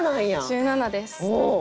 １７です。